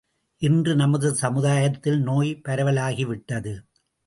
இன்று நமது சமுதாயத்தில் நோய் பரவலாகி விட்டது.